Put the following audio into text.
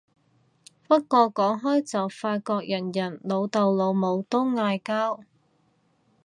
不過講開就發覺人人老豆老母都嗌交